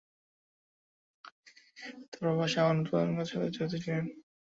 তার বাবা সাবান উৎপাদনের সাথে জড়িত ছিলেন।